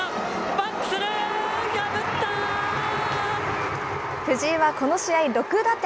バックする、藤井はこの試合６打点。